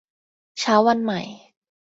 เช้าวันใหม่